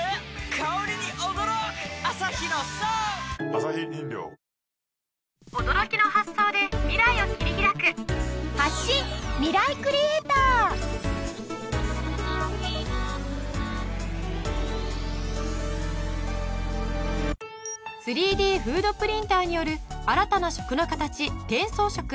香りに驚くアサヒの「颯」３Ｄフードプリンターによる新たな食の形転送食。